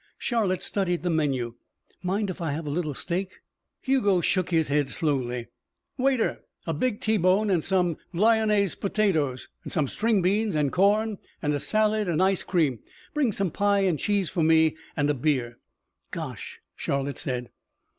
Charlotte studied the menu. "Mind if I have a little steak?" Hugo shook his head slowly. "Waiter! A big T bone, and some lyonnaise potatoes, and some string beans and corn and a salad and ice cream. Bring some pie and cheese for me and a beer." "Gosh!" Charlotte said.